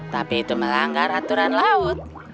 tapi itu melanggar aturan laut